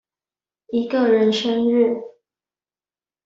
一個人生日